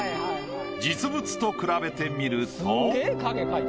実物と比べてみると。